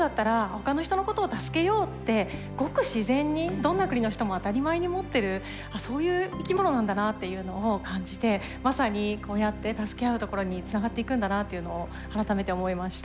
ごく自然にどんな国の人も当たり前に持ってるそういう生き物なんだなっていうのを感じてまさにこうやって助け合うところにつながっていくんだなというのを改めて思いました。